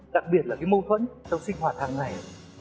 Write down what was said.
đặc biệt là cái mâu thuẫn trong sinh hoạt hàng ngày